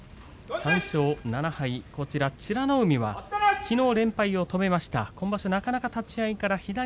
３勝７敗、美ノ海がきのう連敗を止めました。